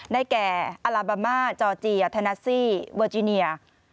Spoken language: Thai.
ได้แก่อลาบามาจอร์เจียธนัสซี่เวอร์จิเนีย